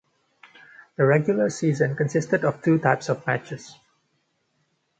The regular season consisted of two types of matches.